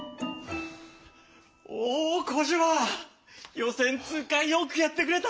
予選通過よくやってくれた！